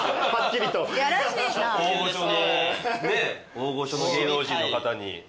大御所の芸能人の方に。